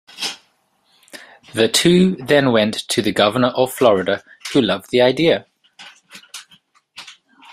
The two then went to the Governor of Florida, who loved the idea.